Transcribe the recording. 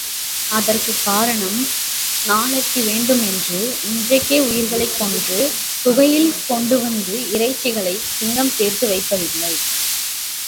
அதற்குக் காரணம், நாளைக்கு வேண்டுமென்று இன்றைக்கே உயிர்களைக் கொன்று குகையில் கொண்டு வந்து இறைச்சிகளைச் சிங்கம் சேர்த்து வைப்பதில்லை.